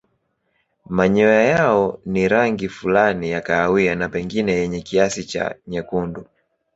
Manyoya yao ni rangi fulani ya kahawia na pengine yenye kiasi cha nyekundu.